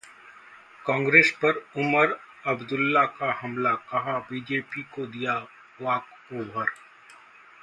कांग्रेस पर उमर अब्दुल्ला का हमला, कहा- बीजेपी को दिया वॉकओवर